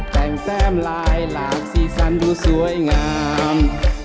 แต่งแต้มลายหลากสีสันดูสวยงาม